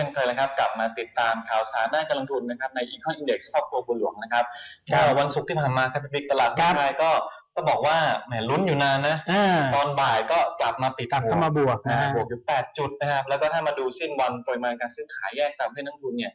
กลับมาปิด๘จุดแล้วก็ถ้ามาดูสิ้นวันปรวยมาการซื้อขายแยกต่างเพื่อนทั้งคุณเนี่ย